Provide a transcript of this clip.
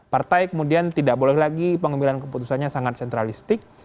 partai kemudian tidak boleh lagi pengambilan keputusannya sangat sentralistik